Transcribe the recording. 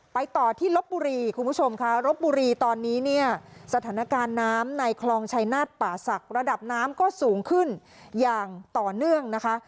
ต่อที่ลบบุรีคุณผู้ชมค่ะลบบุรีตอนนี้เนี่ยสถานการณ์น้ำในคลองชายนาฏป่าศักดิ์ระดับน้ำก็สูงขึ้นอย่างต่อเนื่องนะคะ